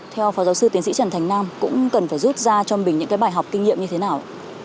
theo phó giáo sư tiến sĩ trần thành nam cũng cần phải rút ra cho mình những bài học kinh nghiệm như thế nào